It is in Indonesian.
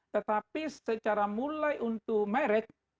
tetapi secara mulai untuk merek